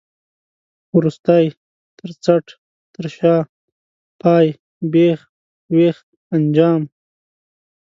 وروستی، تر څټ، تر شا، پای، بېخ، وېخ، انجام.